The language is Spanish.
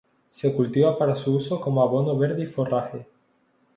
Se cultiva para su uso como abono verde y forraje.